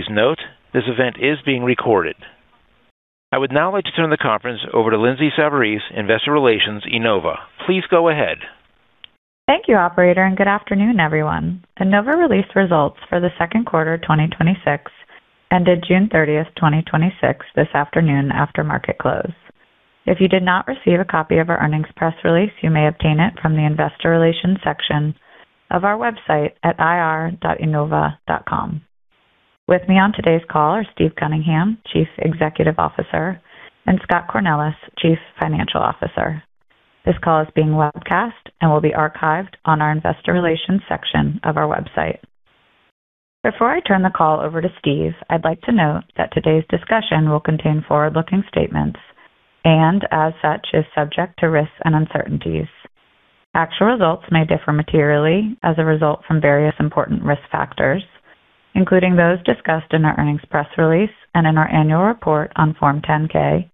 Please note: this event is being recorded. I would now like to turn the conference over to Lindsay Savarese, Investor Relations, Enova. Please go ahead. Thank you, operator, and good afternoon, everyone. Enova released results for the second quarter 2026, ended June 30th, 2026 this afternoon after market close. If you did not receive a copy of our earnings press release, you may obtain it from the investor relations section of our website at ir.enova.com. With me on today's call are Steve Cunningham, Chief Executive Officer, and Scott Cornelis, Chief Financial Officer. This call is being webcast and will be archived on our investor relations section of our website. Before I turn the call over to Steve, I'd like to note that today's discussion will contain forward-looking statements and as such, is subject to risks and uncertainties. Actual results may differ materially as a result from various important risk factors, including those discussed in our earnings press release and in our annual report on Form 10-K,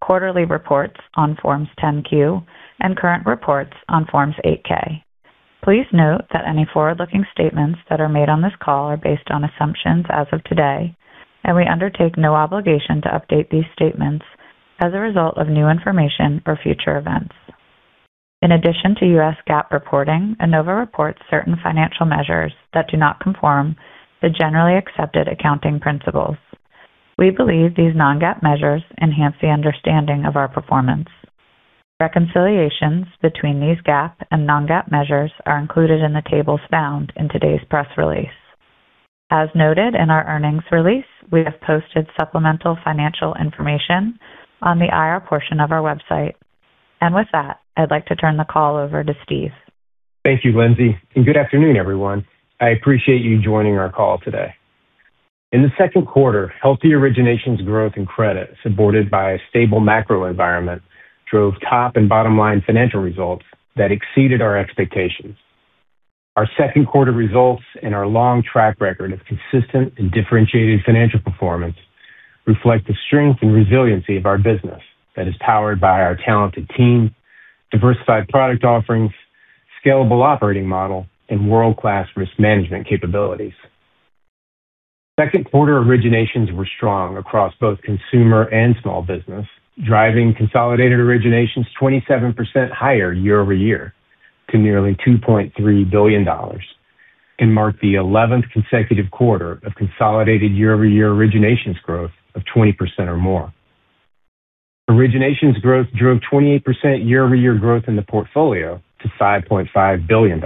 quarterly reports on Form 10-Q, and current reports on Form 8-K. Please note that any forward-looking statements that are made on this call are based on assumptions as of today. We undertake no obligation to update these statements as a result of new information or future events. In addition to U.S. GAAP reporting, Enova reports certain financial measures that do not conform to generally accepted accounting principles. We believe these non-GAAP measures enhance the understanding of our performance. Reconciliations between these GAAP and non-GAAP measures are included in the tables found in today's press release. As noted in our earnings release, we have posted supplemental financial information on the IR portion of our website. With that, I'd like to turn the call over to Steve. Thank you, Lindsay, and good afternoon, everyone. I appreciate you joining our call today. In the second quarter, healthy originations growth and credit, supported by a stable macro environment, drove top and bottom line financial results that exceeded our expectations. Our second quarter results and our long track record of consistent and differentiated financial performance reflect the strength and resiliency of our business that is powered by our talented team, diversified product offerings, scalable operating model, and world-class risk management capabilities. Second quarter originations were strong across both consumer and small business, driving consolidated originations 27% higher year-over-year to nearly $2.3 billion, and marked the 11th consecutive quarter of consolidated year-over-year originations growth of 20% or more. Originations growth drove 28% year-over-year growth in the portfolio to $5.5 billion,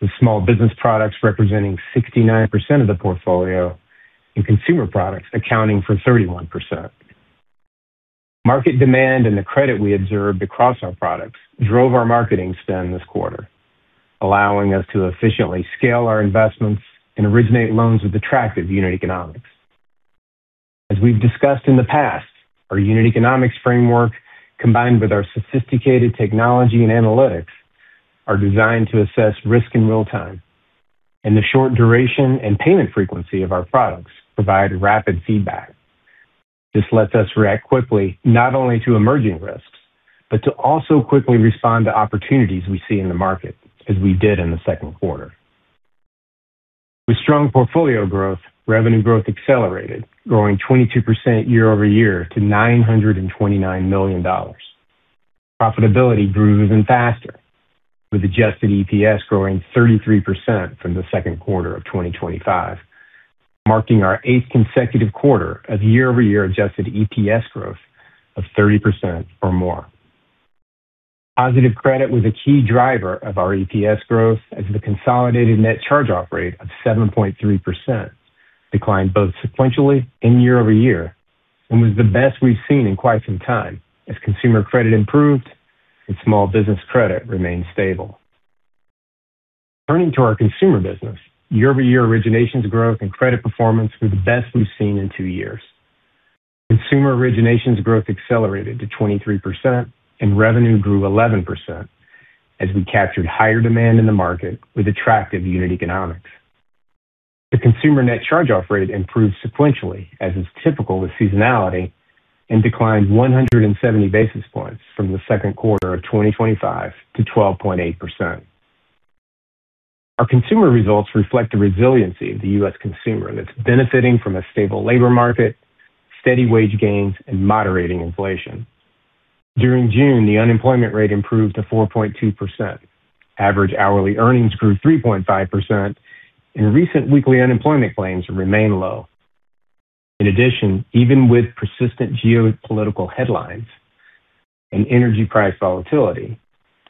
with small business products representing 69% of the portfolio and consumer products accounting for 31%. Market demand and the credit we observed across our products drove our marketing spend this quarter, allowing us to efficiently scale our investments and originate loans with attractive unit economics. As we've discussed in the past, our unit economics framework, combined with our sophisticated technology and analytics, are designed to assess risk in real time, and the short duration and payment frequency of our products provide rapid feedback. This lets us react quickly, not only to emerging risks, but to also quickly respond to opportunities we see in the market, as we did in the second quarter. With strong portfolio growth, revenue growth accelerated, growing 22% year-over-year to $929 million. Profitability grew even faster, with adjusted EPS growing 33% from the second quarter of 2025, marking our eighth consecutive quarter of year-over-year adjusted EPS growth of 30% or more. Positive credit was a key driver of our EPS growth as the consolidated net charge-off ratio of 7.3% declined both sequentially and year-over-year and was the best we've seen in quite some time as consumer credit improved and small business credit remained stable. Turning to our consumer business. Year-over-year originations growth and credit performance were the best we've seen in two years. Consumer originations growth accelerated to 23% and revenue grew 11% as we captured higher demand in the market with attractive unit economics. The consumer net charge-off ratio improved sequentially, as is typical with seasonality, and declined 170 basis points from the second quarter of 2025 to 12.8%. Our consumer results reflect the resiliency of the U.S. consumer that's benefiting from a stable labor market, steady wage gains, and moderating inflation. During June, the unemployment rate improved to 4.2%. Average hourly earnings grew 3.5%, recent weekly unemployment claims remain low. In addition, even with persistent geopolitical headlines and energy price volatility,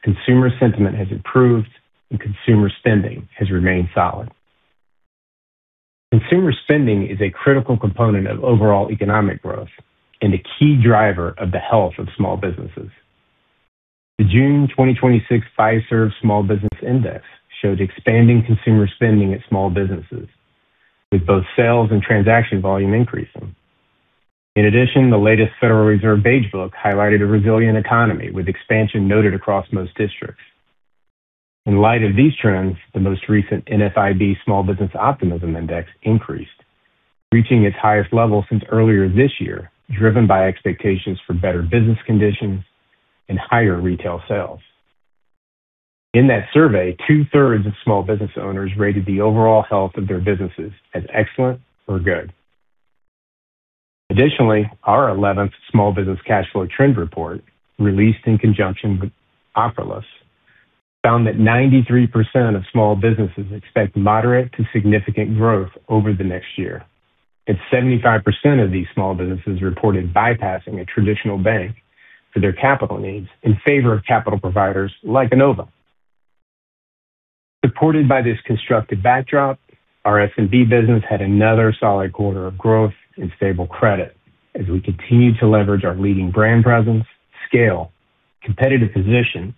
consumer sentiment has improved, and consumer spending has remained solid. Consumer spending is a critical component of overall economic growth and a key driver of the health of small businesses. The June 2026 Fiserv Small Business Index showed expanding consumer spending at small businesses with both sales and transaction volume increasing. In addition, the latest Federal Reserve Beige Book highlighted a resilient economy with expansion noted across most districts. In light of these trends, the most recent NFIB Small Business Optimism Index increased, reaching its highest level since earlier this year, driven by expectations for better business conditions and higher retail sales. In that survey, two-thirds of small business owners rated the overall health of their businesses as excellent or good. Additionally, our 11th Small Business Cash Flow Trend Report, released in conjunction with Ocrolus, found that 93% of small businesses expect moderate to significant growth over the next year, and 75% of these small businesses reported bypassing a traditional bank for their capital needs in favor of capital providers like Enova. Supported by this constructive backdrop, our SMB business had another solid quarter of growth and stable credit as we continue to leverage our leading brand presence, scale, competitive position,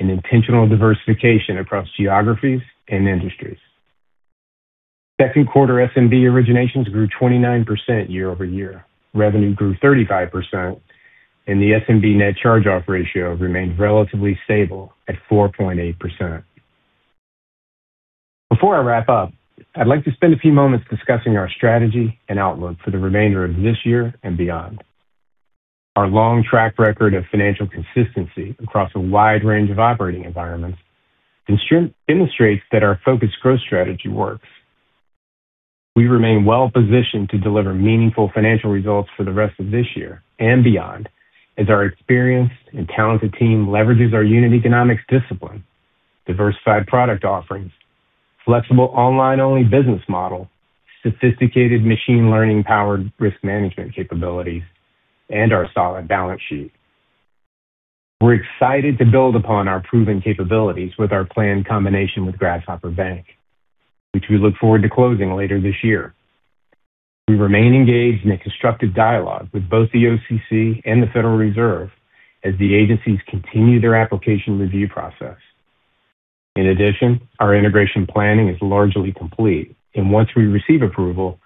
and intentional diversification across geographies and industries. Second quarter SMB originations grew 29% year-over-year. Revenue grew 35%, and the SMB net charge-off ratio remained relatively stable at 4.8%. Before I wrap up, I'd like to spend a few moments discussing our strategy and outlook for the remainder of this year and beyond. Our long track record of financial consistency across a wide range of operating environments illustrates that our focused growth strategy works. We remain well-positioned to deliver meaningful financial results for the rest of this year and beyond as our experienced and talented team leverages our unit economics discipline, diversified product offerings, flexible online-only business model, sophisticated machine learning-powered risk management capabilities, and our solid balance sheet. We're excited to build upon our proven capabilities with our planned combination with Grasshopper Bank, which we look forward to closing later this year. We remain engaged in a constructive dialogue with both the OCC and the Federal Reserve as the agencies continue their application review process. In addition, our integration planning is largely complete, and once we receive approval,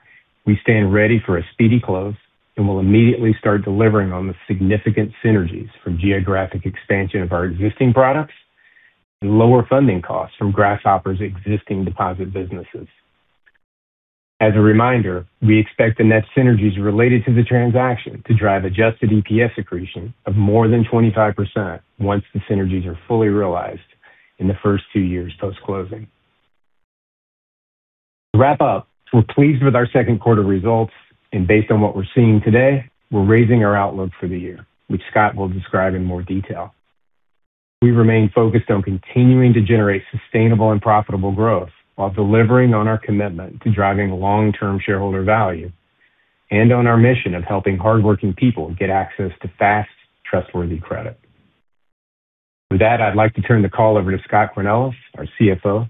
we stand ready for a speedy close and will immediately start delivering on the significant synergies from geographic expansion of our existing products and lower funding costs from Grasshopper's existing deposit businesses. As a reminder, we expect the net synergies related to the transaction to drive adjusted EPS accretion of more than 25% once the synergies are fully realized in the first two years post-closing. To wrap up, we're pleased with our second quarter results, and based on what we're seeing today, we're raising our outlook for the year, which Scott will describe in more detail. We remain focused on continuing to generate sustainable and profitable growth while delivering on our commitment to driving long-term shareholder value and on our mission of helping hardworking people get access to fast, trustworthy credit. With that, I'd like to turn the call over to Scott Cornelis, our CFO,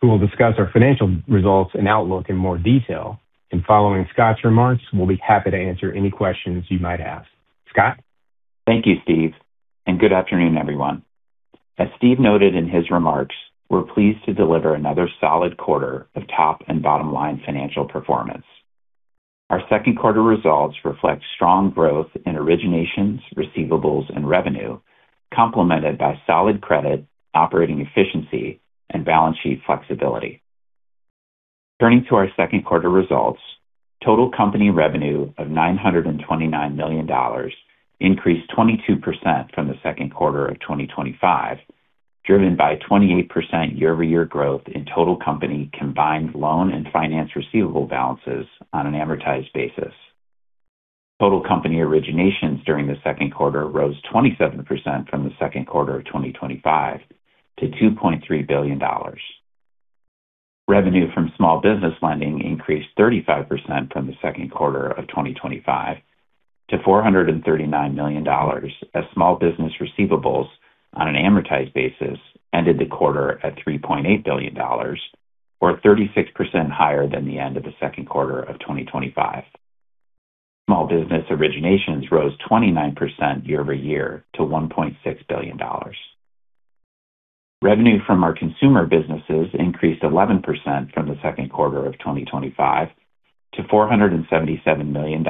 who will discuss our financial results and outlook in more detail. Following Scott's remarks, we'll be happy to answer any questions you might have. Scott? Thank you, Steve, and good afternoon, everyone. As Steve noted in his remarks, we are pleased to deliver another solid quarter of top and bottom-line financial performance. Our second quarter results reflect strong growth in originations, receivables, and revenue, complemented by solid credit, operating efficiency, and balance sheet flexibility. Turning to our second quarter results, total company revenue of $929 million increased 22% from the second quarter of 2025, driven by 28% year-over-year growth in total company combined loan and finance receivable balances on an amortized basis. Total company originations during the second quarter rose 27% from the second quarter of 2025 to $2.3 billion. Revenue from small business lending increased 35% from the second quarter of 2025 to $439 million as small business receivables on an amortized basis ended the quarter at $3.8 billion, or 36% higher than the end of the second quarter of 2025. Small business originations rose 29% year-over-year to $1.6 billion. Revenue from our consumer businesses increased 11% from the second quarter of 2025 to $477 million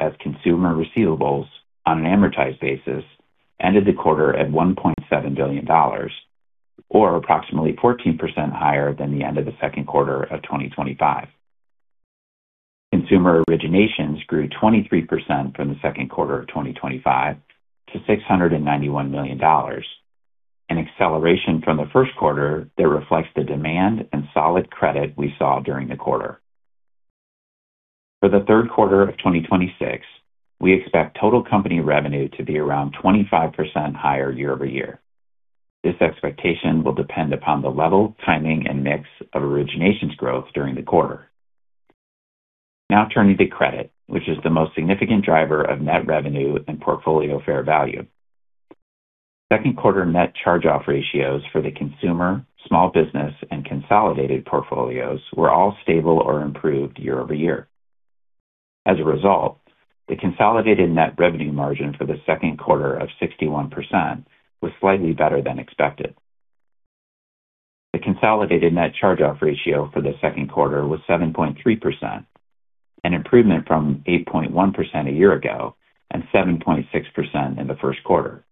as consumer receivables on an amortized basis ended the quarter at $1.7 billion, or approximately 14% higher than the end of the second quarter of 2025. Consumer originations grew 23% from the second quarter of 2025 to $691 million, an acceleration from the first quarter that reflects the demand and solid credit we saw during the quarter. For the third quarter of 2026, we expect total company revenue to be around 25% higher year-over-year. This expectation will depend upon the level, timing, and mix of originations growth during the quarter. Now, turning to credit, which is the most significant driver of net revenue and portfolio fair value. Second quarter net charge-off ratios for the consumer, small business, and consolidated portfolios were all stable or improved year-over-year. As a result, the consolidated net revenue margin for the second quarter of 61% was slightly better than expected. The consolidated net charge-off ratio for the second quarter was 7.3%, an improvement from 8.1% a year ago and 7.6% in the first quarter,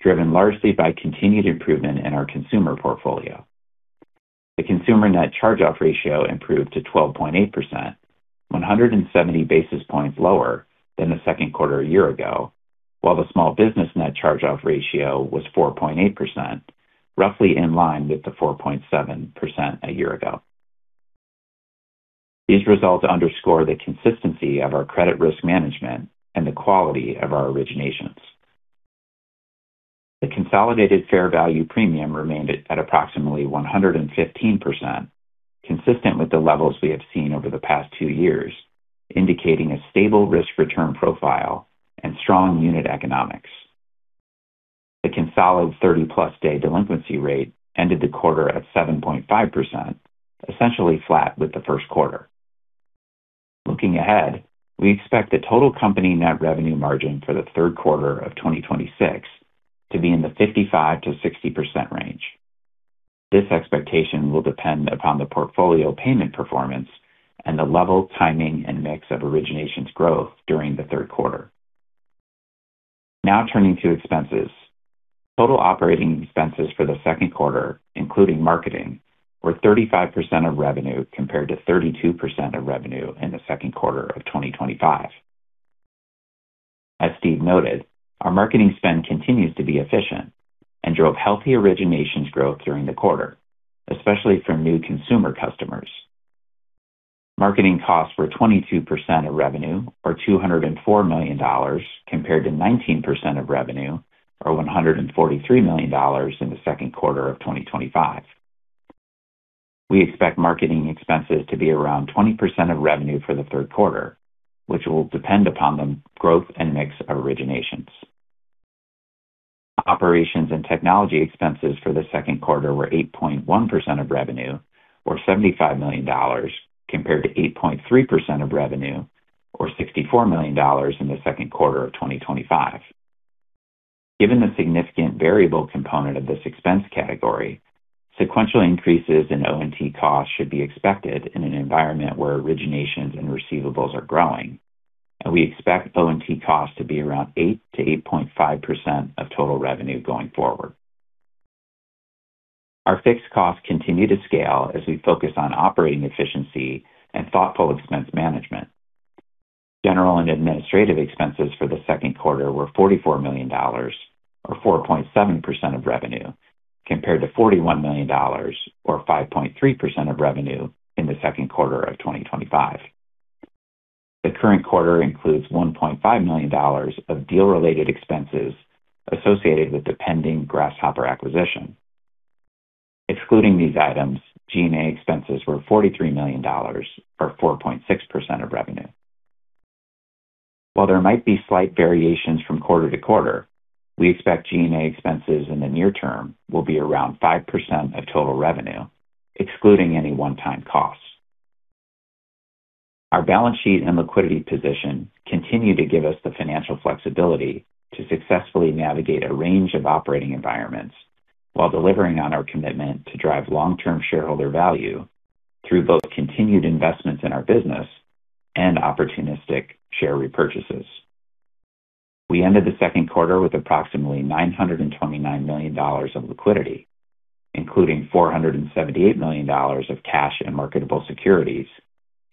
driven largely by continued improvement in our consumer portfolio. The consumer net charge-off ratio improved to 12.8%, 170 basis points lower than the second quarter a year ago, while the small business net charge-off ratio was 4.8%, roughly in line with the 4.7% a year ago. These results underscore the consistency of our credit risk management and the quality of our originations. The consolidated fair value premium remained at approximately 115%, consistent with the levels we have seen over the past two years, indicating a stable risk return profile and strong unit economics. The consolidated 30+ day delinquency rate ended the quarter at 7.5%, essentially flat with the first quarter. Looking ahead, we expect the total company net revenue margin for the third quarter of 2026 to be in the 55%-60% range. This expectation will depend upon the portfolio payment performance and the level, timing, and mix of originations growth during the third quarter. Now, turning to expenses. Total operating expenses for the second quarter, including marketing, were 35% of revenue compared to 32% of revenue in the second quarter of 2025. As Steve noted, our marketing spend continues to be efficient and drove healthy originations growth during the quarter, especially from new consumer customers. Marketing costs were 22% of revenue, or $204 million, compared to 19% of revenue, or $143 million, in the second quarter of 2025. We expect marketing expenses to be around 20% of revenue for the third quarter, which will depend upon the growth and mix of originations. Operations and technology expenses for the second quarter were 8.1% of revenue, or $75 million, compared to 8.3% of revenue, or $64 million, in the second quarter of 2025. Given the significant variable component of this expense category, sequential increases in O&T costs should be expected in an environment where originations and receivables are growing, and we expect O&T costs to be around 8%-8.5% of total revenue going forward. Our fixed costs continue to scale as we focus on operating efficiency and thoughtful expense management. General and administrative expenses for the second quarter were $44 million, or 4.7% of revenue, compared to $41 million, or 5.3% of revenue, in the second quarter of 2025. The current quarter includes $1.5 million of deal-related expenses associated with the pending Grasshopper acquisition. Excluding these items, G&A expenses were $43 million, or 4.6% of revenue. There might be slight variations from quarter to quarter, we expect G&A expenses in the near term will be around 5% of total revenue, excluding any one-time costs. Our balance sheet and liquidity position continue to give us the financial flexibility to successfully navigate a range of operating environments while delivering on our commitment to drive long-term shareholder value through both continued investments in our business and opportunistic share repurchases. We ended the second quarter with approximately $929 million of liquidity, including $478 million of cash and marketable securities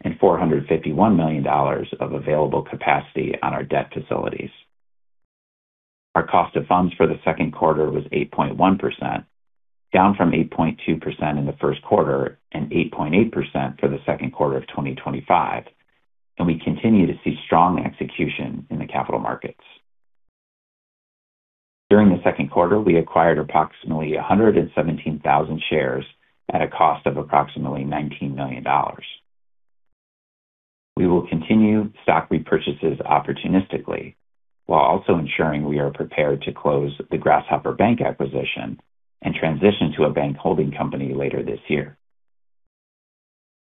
and $451 million of available capacity on our debt facilities. Our cost of funds for the second quarter was 8.1%, down from 8.2% in the first quarter and 8.8% for the second quarter of 2025. We continue to see strong execution in the capital markets. During the second quarter, we acquired approximately 117,000 shares at a cost of approximately $19 million. We will continue stock repurchases opportunistically while also ensuring we are prepared to close the Grasshopper bank acquisition and transition to a bank holding company later this year.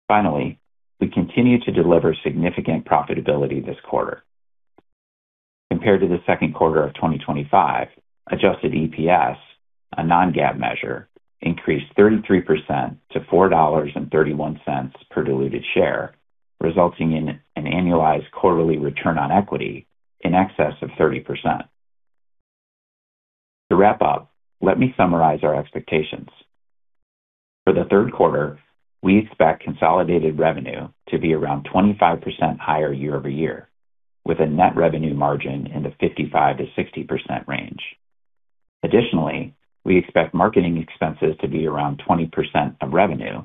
Finally, we continue to deliver significant profitability this quarter. Compared to the second quarter of 2025, adjusted EPS, a non-GAAP measure, increased 33% to $4.31 per diluted share, resulting in an annualized quarterly return on equity in excess of 30%. To wrap up, let me summarize our expectations. For the third quarter, we expect consolidated revenue to be around 25% higher year-over-year, with a net revenue margin in the 55%-60% range. Additionally, we expect marketing expenses to be around 20% of revenue,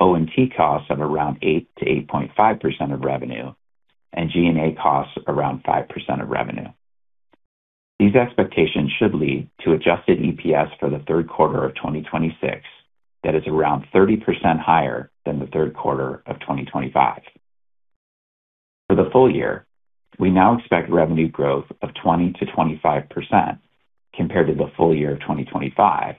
O&T costs of around 8%-8.5% of revenue, and G&A costs around 5% of revenue. These expectations should lead to adjusted EPS for the third quarter of 2026 that is around 30% higher than the third quarter of 2025. For the full year, we now expect revenue growth of 20%-25% compared to the full year of 2025,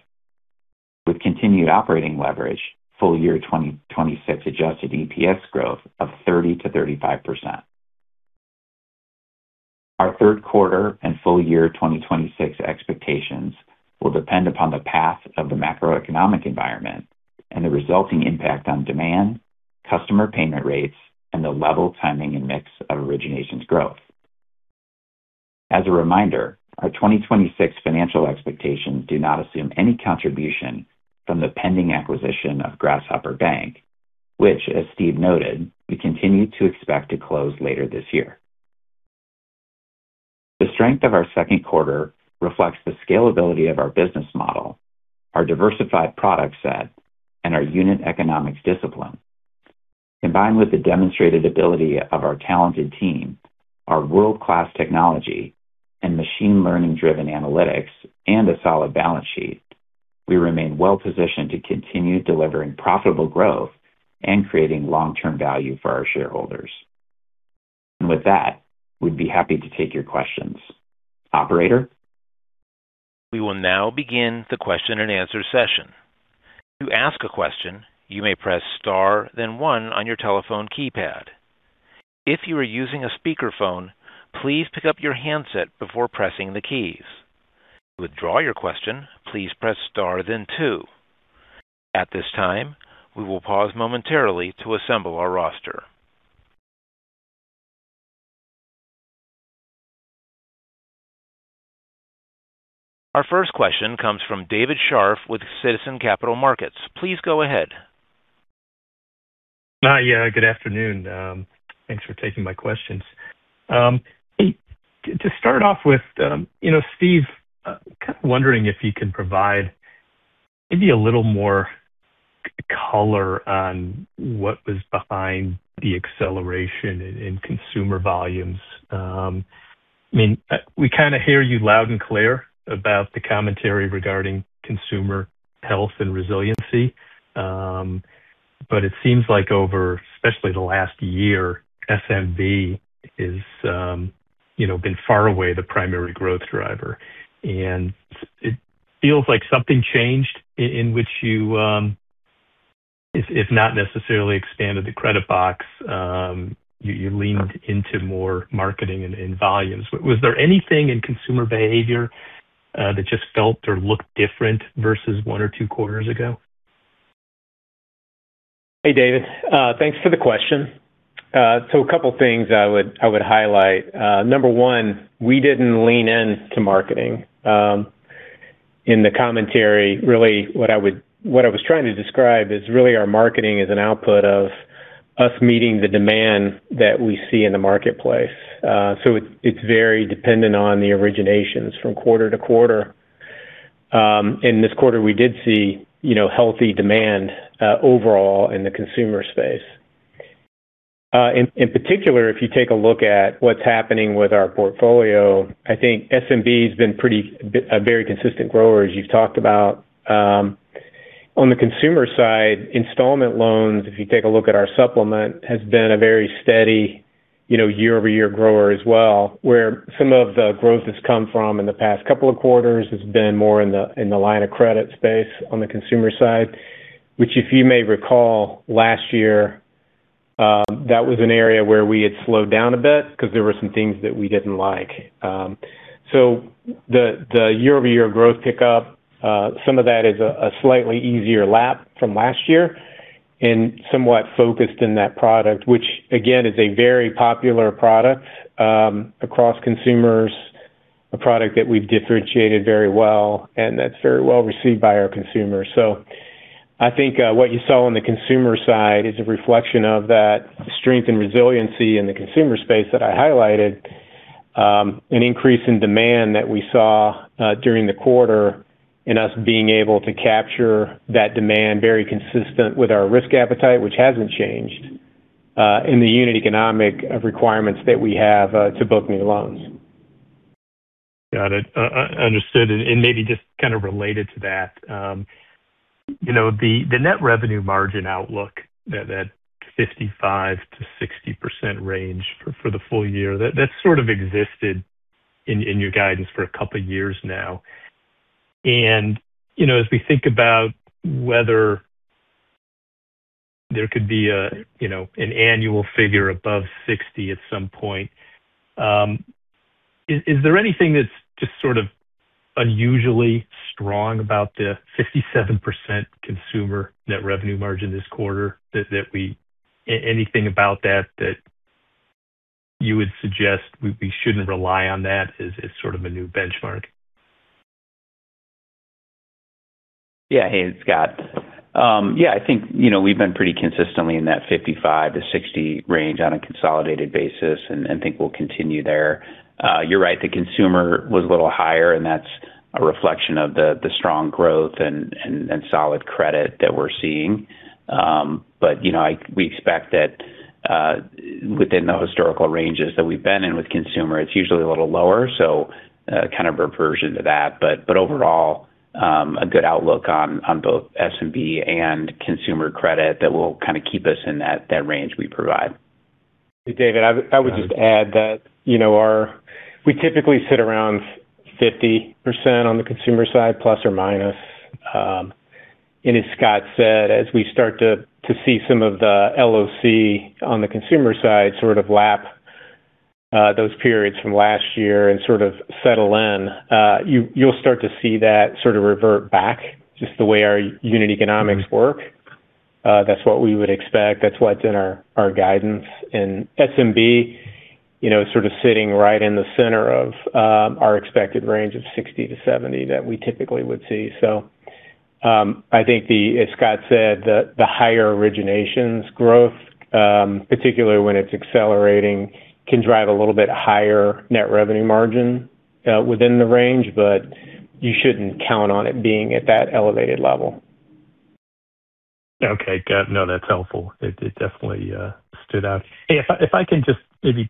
with continued operating leverage full year 2026 adjusted EPS growth of 30%-35%. Our third quarter and full year 2026 expectations will depend upon the path of the macroeconomic environment and the resulting impact on demand, customer payment rates, and the level, timing, and mix of originations growth. As a reminder, our 2026 financial expectations do not assume any contribution from the pending acquisition of Grasshopper Bank, which, as Steve noted, we continue to expect to close later this year. The strength of our second quarter reflects the scalability of our business model, our diversified product set, and our unit economics discipline. Combined with the demonstrated ability of our talented team, our world-class technology and machine learning-driven analytics, and a solid balance sheet, we remain well-positioned to continue delivering profitable growth and creating long-term value for our shareholders. With that, we'd be happy to take your questions. Operator? We will now begin the question and answer session. To ask a question, you may press star then one on your telephone keypad. If you are using a speakerphone, please pick up your handset before pressing the keys. To withdraw your question, please press star then two. At this time, we will pause momentarily to assemble our roster. Our first question comes from David Scharf with Citizens Capital Markets. Please go ahead. Yeah, good afternoon. Thanks for taking my questions. To start off with, Steve, kind of wondering if you can provide maybe a little more color on what was behind the acceleration in consumer volumes. We kind of hear you loud and clear about the commentary regarding consumer health and resiliency. It seems like over, especially the last year, SMB has been far away the primary growth driver. It feels like something changed in which you, if not necessarily expanded the credit box, you leaned into more marketing and volumes. Was there anything in consumer behavior that just felt or looked different versus one or two quarters ago? Hey, David. Thanks for the question. A couple things I would highlight. Number one, we didn't lean in to marketing. In the commentary, really what I was trying to describe is really our marketing is an output of us meeting the demand that we see in the marketplace. It's very dependent on the originations from quarter to quarter. In this quarter, we did see healthy demand overall in the consumer space. In particular, if you take a look at what's happening with our portfolio, I think SMB has been a very consistent grower, as you've talked about. On the consumer side, installment loans, if you take a look at our supplement, has been a very steady year-over-year grower as well. Where some of the growth has come from in the past couple of quarters has been more in the line of credit space on the consumer side, which if you may recall, last year that was an area where we had slowed down a bit because there were some things that we didn't like. The year-over-year growth pickup, some of that is a slightly easier lap from last year and somewhat focused in that product, which again is a very popular product across consumers, a product that we've differentiated very well and that's very well received by our consumers. I think what you saw on the consumer side is a reflection of that strength and resiliency in the consumer space that I highlighted, an increase in demand that we saw during the quarter, and us being able to capture that demand very consistent with our risk appetite, which hasn't changed, and the unit economics requirements that we have to book new loans. Got it. Understood. Maybe just kind of related to that. The net revenue margin outlook, that 55%-60% range for the full year, that's sort of existed in your guidance for a couple of years now. As we think about whether there could be an annual figure above 60% at some point, is there anything that's just sort of unusually strong about the 57% consumer net revenue margin this quarter? Anything about that you would suggest we shouldn't rely on that as sort of a new benchmark? Hey, it's Scott. I think we've been pretty consistently in that 55%-60% range on a consolidated basis and think we'll continue there. You're right, the consumer was a little higher, that's a reflection of the strong growth and solid credit that we're seeing. We expect that within the historical ranges that we've been in with consumer, it's usually a little lower. Kind of reversion to that. Overall, a good outlook on both SMB and consumer credit that will kind of keep us in that range we provide. David, I would just add that we typically sit around 50% on the consumer side, plus or minus. As Scott said, as we start to see some of the LOC on the consumer side sort of lap those periods from last year and sort of settle in, you'll start to see that sort of revert back, just the way our unit economics work. That's what we would expect. That's what's in our guidance. SMB sort of sitting right in the center of our expected range of 60%-70% that we typically would see. I think the, as Scott said, the higher originations growth, particularly when it's accelerating, can drive a little bit higher net revenue margin within the range. You shouldn't count on it being at that elevated level. Okay. No, that's helpful. It definitely stood out. Hey, if I can just maybe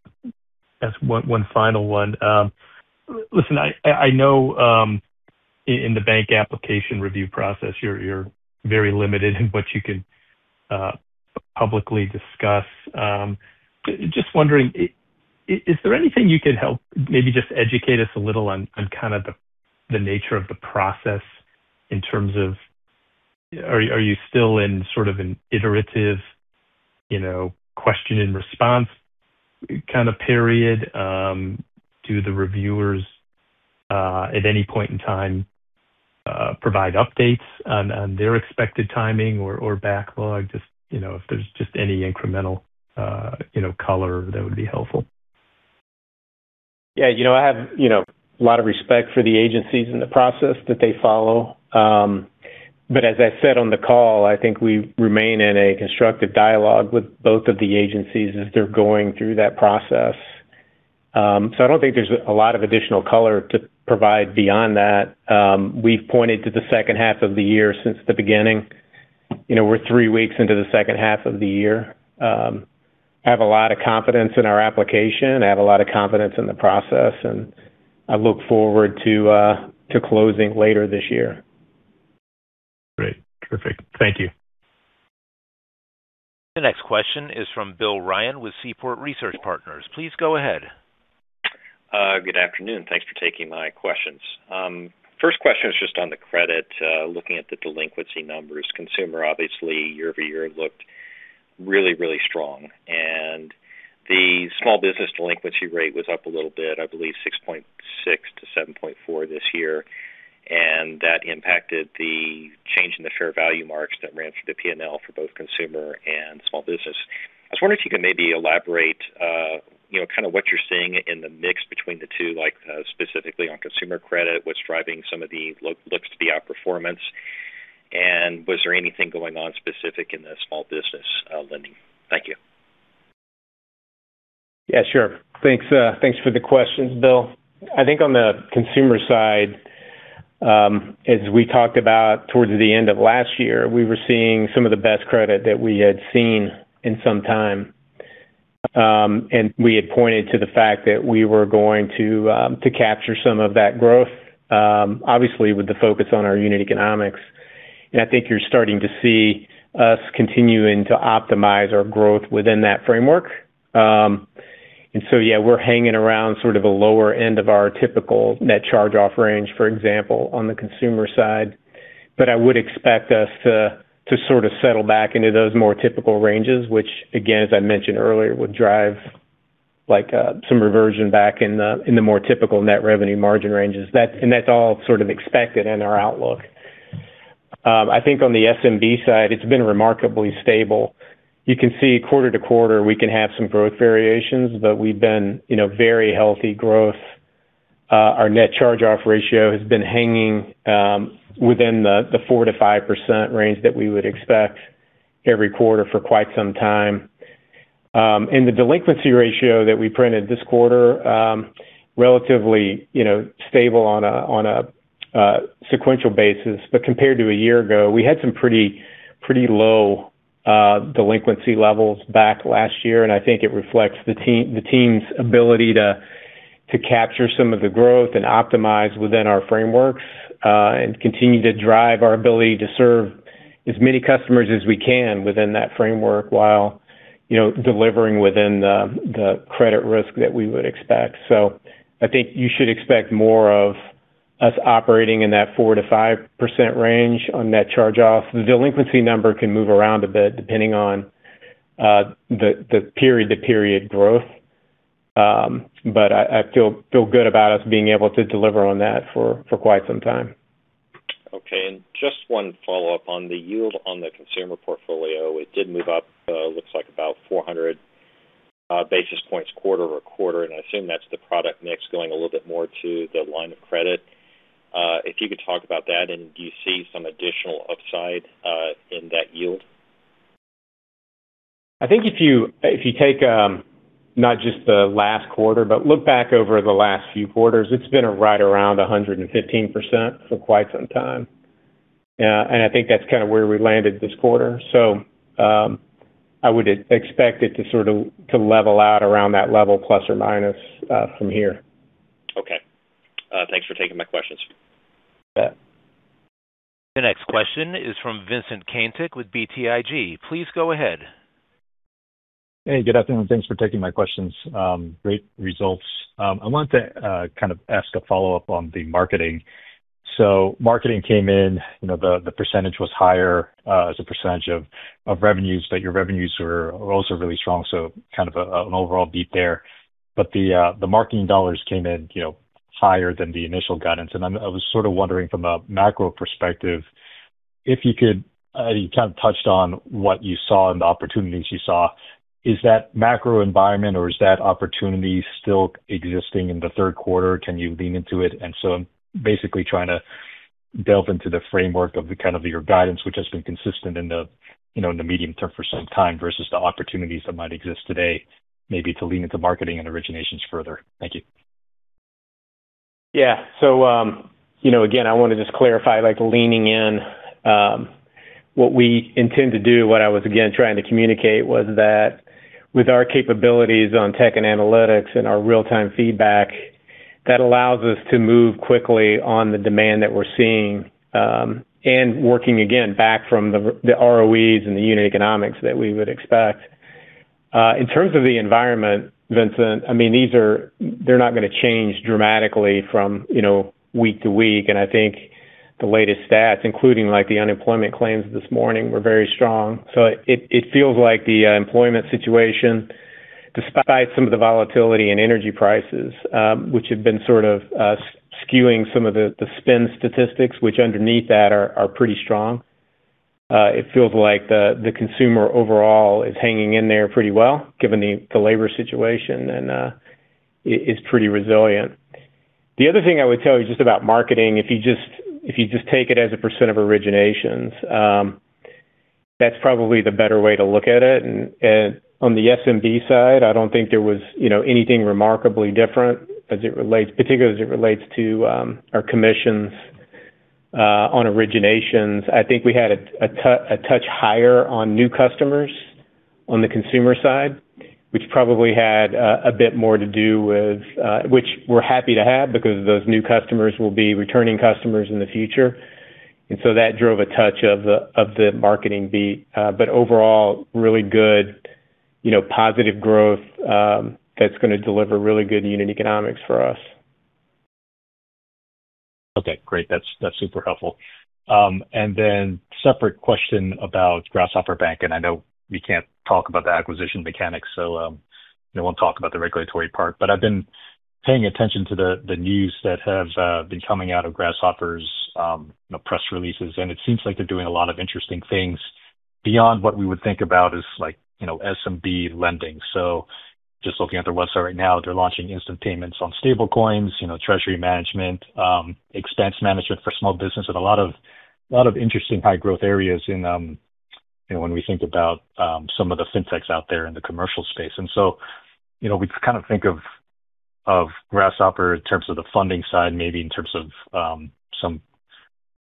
ask one final one. Listen, I know in the bank application review process you're very limited in what you can publicly discuss. Just wondering, is there anything you could help maybe just educate us a little on kind of the nature of the process in terms of are you still in sort of an iterative question and response kind of period? Do the reviewers at any point in time provide updates on their expected timing or backlog? If there's just any incremental color, that would be helpful. Yeah. I have a lot of respect for the agencies and the process that they follow. As I said on the call, I think we remain in a constructive dialogue with both of the agencies as they're going through that process. I don't think there's a lot of additional color to provide beyond that. We've pointed to the second half of the year since the beginning. We're three weeks into the second half of the year. I have a lot of confidence in our application. I have a lot of confidence in the process, and I look forward to closing later this year. Great. Terrific. Thank you. The next question is from Bill Ryan with Seaport Research Partners. Please go ahead. Good afternoon. Thanks for taking my questions. First question is just on the credit. Looking at the delinquency numbers, consumer obviously year-over-year looked really, really strong. The small business delinquency rate was up a little bit, I believe 6.6%-7.4% this year. That impacted the change in the fair value marks that ran through the P&L for both consumer and small business. I was wondering if you could maybe elaborate kind of what you're seeing in the mix between the two, like specifically on consumer credit, what's driving some of the looks to be outperformance, and was there anything going on specific in the small business lending? Thank you. Yeah, sure. Thanks for the questions, Bill. I think on the consumer side, as we talked about towards the end of last year, we were seeing some of the best credit that we had seen in some time. We had pointed to the fact that we were going to capture some of that growth, obviously with the focus on our unit economics. I think you're starting to see us continuing to optimize our growth within that framework. So yeah, we're hanging around sort of a lower end of our typical net charge-off range, for example, on the consumer side. I would expect us to sort of settle back into those more typical ranges, which again, as I mentioned earlier, would drive some reversion back in the more typical net revenue margin ranges. That's all sort of expected in our outlook. I think on the SMB side, it's been remarkably stable. You can see quarter-to-quarter, we can have some growth variations, but we've been very healthy growth. Our net charge-off ratio has been hanging within the 4%-5% range that we would expect every quarter for quite some time. The delinquency ratio that we printed this quarter, relatively stable on a sequential basis. Compared to a year ago, we had some pretty low delinquency levels back last year, and I think it reflects the team's ability to capture some of the growth and optimize within our frameworks. Continue to drive our ability to serve as many customers as we can within that framework while delivering within the credit risk that we would expect. I think you should expect more of us operating in that 4%-5% range on net charge-offs. The delinquency number can move around a bit depending on the period-to-period growth. I feel good about us being able to deliver on that for quite some time. Okay. Just one follow-up on the yield on the consumer portfolio. It did move up, looks like about 400 basis points quarter-over-quarter, and I assume that's the product mix going a little bit more to the line of credit. If you could talk about that, and do you see some additional upside in that yield? I think if you take not just the last quarter, but look back over the last few quarters, it's been right around 115% for quite some time. I think that's kind of where we landed this quarter. I would expect it to sort of level out around that level, plus or minus, from here. Okay. Thanks for taking my questions. You bet. The next question is from Vincent Caintic with BTIG. Please go ahead. Hey, good afternoon. Thanks for taking my questions. Great results. I wanted to kind of ask a follow-up on the marketing. Marketing came in, the percentage was higher as a percentage of revenues, but your revenues were also really strong. Kind of an overall beat there. The marketing dollars came in higher than the initial guidance. I was sort of wondering from a macro perspective, you kind of touched on what you saw and the opportunities you saw. Is that macro environment or is that opportunity still existing in the third quarter? Can you lean into it? I'm basically trying to delve into the framework of the kind of your guidance, which has been consistent in the medium-term for some time versus the opportunities that might exist today, maybe to lean into marketing and originations further. Thank you. Yeah. Again, I want to just clarify, like leaning in, what we intend to do, what I was again trying to communicate was that with our capabilities on tech and analytics and our real-time feedback, that allows us to move quickly on the demand that we're seeing, and working again back from the ROE and the unit economics that we would expect. In terms of the environment, Vincent, they're not going to change dramatically from week to week. I think the latest stats, including the unemployment claims this morning, were very strong. It feels like the employment situation, despite some of the volatility in energy prices, which have been sort of skewing some of the spend statistics, which underneath that are pretty strong. It feels like the consumer overall is hanging in there pretty well given the labor situation, and is pretty resilient. The other thing I would tell you just about marketing, if you just take it as a % of originations, that's probably the better way to look at it. On the SMB side, I don't think there was anything remarkably different, particularly as it relates to our commissions on originations. I think we had a touch higher on new customers on the consumer side, which probably had a bit more to do with which we're happy to have because those new customers will be returning customers in the future. That drove a touch of the marketing beat. Overall, really good positive growth that's going to deliver really good unit economics for us. Okay, great. That's super helpful. Separate question about Grasshopper Bank, I know we can't talk about the acquisition mechanics, so I won't talk about the regulatory part. I've been paying attention to the news that have been coming out of Grasshopper's press releases, it seems like they're doing a lot of interesting things beyond what we would think about as like SMB lending. Just looking at their website right now, they're launching instant payments on stable coins, treasury management, expense management for small business, a lot of interesting high growth areas when we think about some of the fintechs out there in the commercial space. We kind of think of Grasshopper in terms of the funding side, maybe in terms of some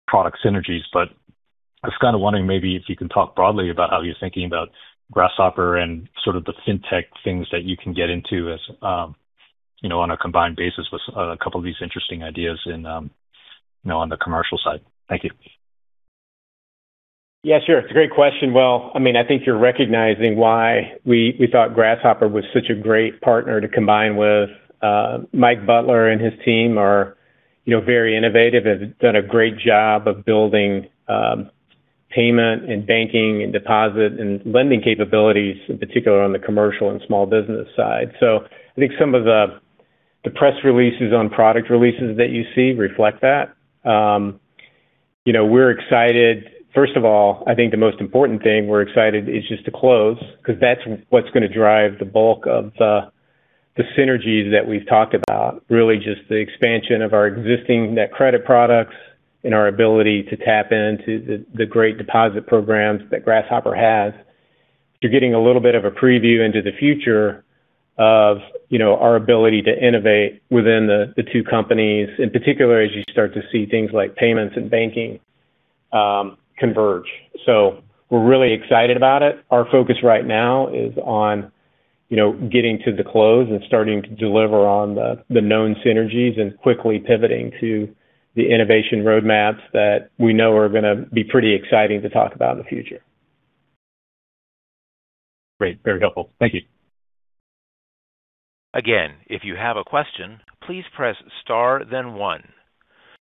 product synergies. I was kind of wondering maybe if you can talk broadly about how you're thinking about Grasshopper and sort of the fintech things that you can get into on a combined basis with a couple of these interesting ideas and on the commercial side. Thank you. Yeah, sure. It's a great question. Well, I think you're recognizing why we thought Grasshopper was such a great partner to combine with. Mike Butler and his team are very innovative and have done a great job of building payment and banking and deposit and lending capabilities, in particular on the commercial and small business side. I think some of the press releases on product releases that you see reflect that. We're excited. First of all, I think the most important thing we're excited is just to close because that's what's going to drive the bulk of the synergies that we've talked about. Really just the expansion of our existing NetCredit products and our ability to tap into the great deposit programs that Grasshopper has. You're getting a little bit of a preview into the future of our ability to innovate within the two companies, in particular as you start to see things like payments and banking converge. We're really excited about it. Our focus right now is on getting to the close and starting to deliver on the known synergies and quickly pivoting to the innovation roadmaps that we know are going to be pretty exciting to talk about in the future. Great. Very helpful. Thank you. Again, if you have a question, please press star then one.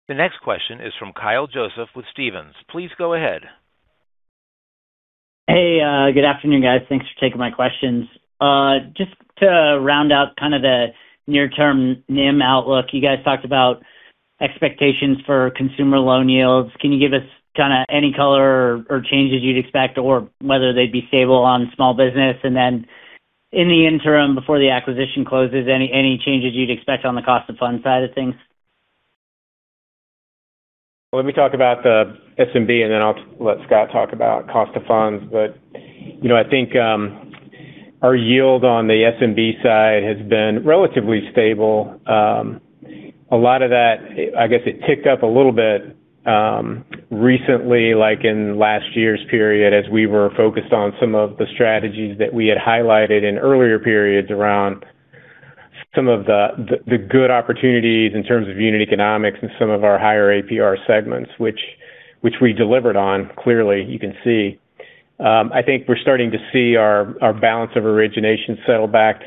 The next question is from Kyle Joseph with Stephens. Please go ahead. Hey, good afternoon, guys. Thanks for taking my questions. Just to round out kind of the near-term NIM outlook. You guys talked about expectations for consumer loan yields. Can you give us kind of any color or changes you'd expect or whether they'd be stable on small business? Then in the interim before the acquisition closes, any changes you'd expect on the cost of funds side of things? Let me talk about the SMB and then I'll let Scott talk about cost of funds. I think our yield on the SMB side has been relatively stable. A lot of that, I guess it ticked up a little bit recently, like in last year's period, as we were focused on some of the strategies that we had highlighted in earlier periods around some of the good opportunities in terms of unit economics and some of our higher APR segments, which we delivered on. Clearly, you can see. I think we're starting to see our balance of origination settle back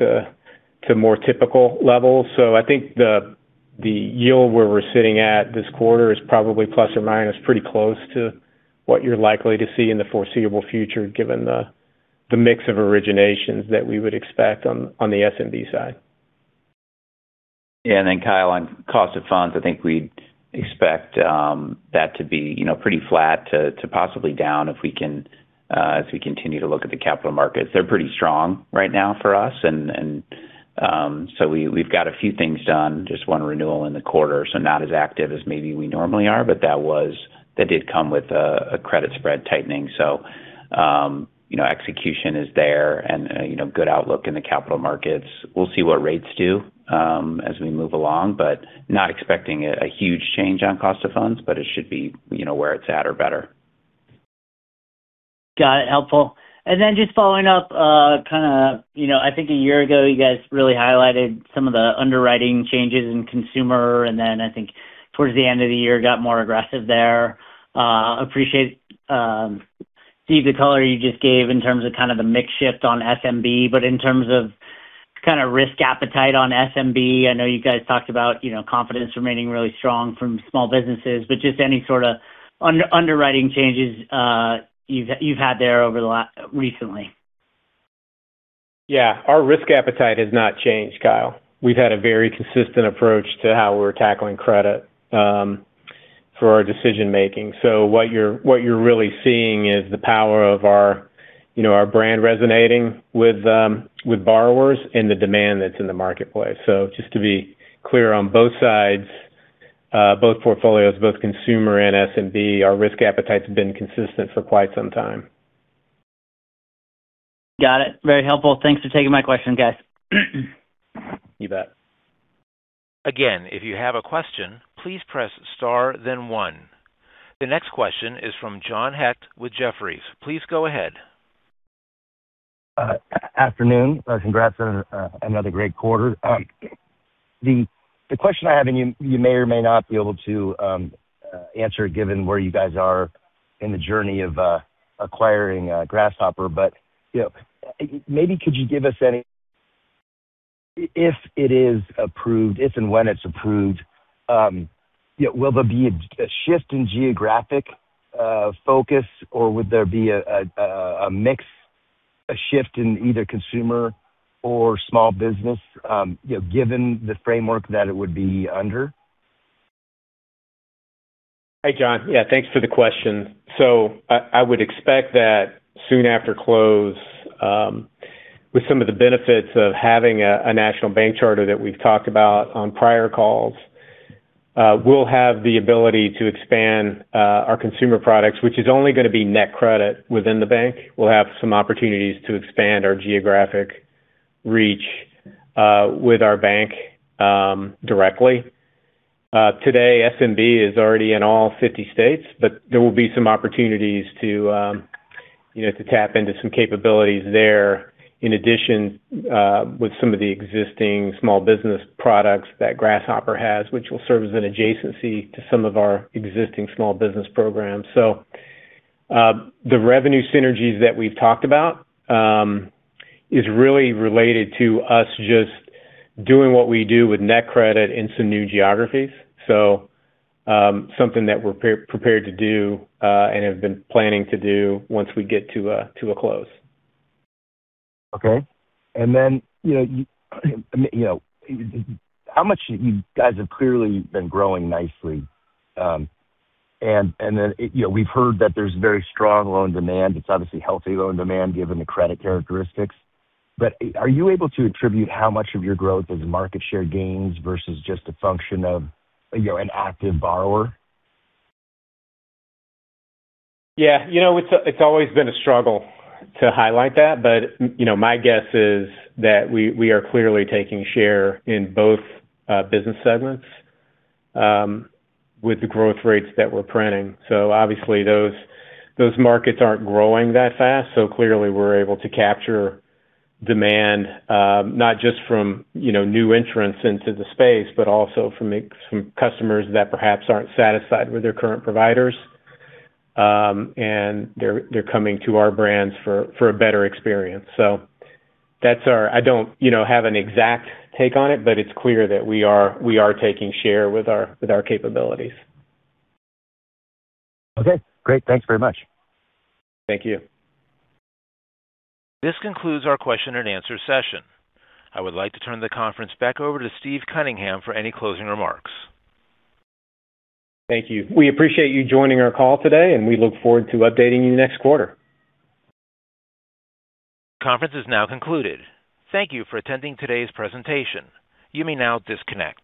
to more typical levels. I think The yield where we're sitting at this quarter is probably plus or minus pretty close to what you're likely to see in the foreseeable future, given the mix of originations that we would expect on the SMB side. Yeah. Kyle, on cost of funds, I think we'd expect that to be pretty flat to possibly down as we continue to look at the capital markets. They're pretty strong right now for us. We've got a few things done, just one renewal in the quarter, so not as active as maybe we normally are, but that did come with a credit spread tightening. Execution is there and a good outlook in the capital markets. We'll see what rates do as we move along, but not expecting a huge change on cost of funds. It should be where it's at or better. Got it. Helpful. Just following up, I think a year ago you guys really highlighted some of the underwriting changes in consumer, and then I think towards the end of the year, got more aggressive there. Appreciate, Steve, the color you just gave in terms of kind of the mix shift on SMB, but in terms of kind of risk appetite on SMB, I know you guys talked about confidence remaining really strong from small businesses, but just any sort of underwriting changes you've had there recently. Yeah. Our risk appetite has not changed, Kyle. We've had a very consistent approach to how we're tackling credit for our decision-making. What you're really seeing is the power of our brand resonating with borrowers and the demand that's in the marketplace. Just to be clear on both sides, both portfolios, both consumer and SMB, our risk appetite's been consistent for quite some time. Got it. Very helpful. Thanks for taking my question, guys. You bet. Again, if you have a question, please press star then one. The next question is from John Hecht with Jefferies. Please go ahead. Afternoon. Congrats on another great quarter. The question I have, and you may or may not be able to answer given where you guys are in the journey of acquiring Grasshopper, but maybe could you give us, if it is approved, if and when it's approved, will there be a shift in geographic focus or would there be a mix, a shift in either consumer or small business, given the framework that it would be under? Hey, John. Yeah, thanks for the question. I would expect that soon after close, with some of the benefits of having a national bank charter that we've talked about on prior calls, we'll have the ability to expand our consumer products, which is only going to be NetCredit within the bank. We'll have some opportunities to expand our geographic reach with our bank directly. Today, SMB is already in all 50 states, but there will be some opportunities to tap into some capabilities there, in addition with some of the existing small business products that Grasshopper has, which will serve as an adjacency to some of our existing small business programs. The revenue synergies that we've talked about is really related to us just doing what we do with NetCredit in some new geographies. Something that we're prepared to do and have been planning to do once we get to a close. Okay. You guys have clearly been growing nicely. We've heard that there's very strong loan demand. It's obviously healthy loan demand given the credit characteristics. Are you able to attribute how much of your growth is market share gains versus just a function of an active borrower? Yeah. It's always been a struggle to highlight that. My guess is that we are clearly taking share in both business segments with the growth rates that we're printing. Obviously those markets aren't growing that fast. Clearly we're able to capture demand, not just from new entrants into the space, but also from customers that perhaps aren't satisfied with their current providers. They're coming to our brands for a better experience. I don't have an exact take on it, but it's clear that we are taking share with our capabilities. Okay, great. Thanks very much. Thank you. This concludes our question and answer session. I would like to turn the conference back over to Steve Cunningham for any closing remarks. Thank you. We appreciate you joining our call today, and we look forward to updating you next quarter. Conference is now concluded. Thank you for attending today's presentation. You may now disconnect.